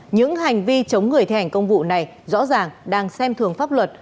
những hành vi chống người thi hành công vụ này rõ ràng đang xem thường pháp luật